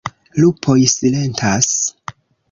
Lupoj silentas.